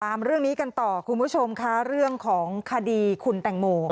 ตามเรื่องนี้กันต่อคุณผู้ชมค่ะเรื่องของคดีคุณแตงโม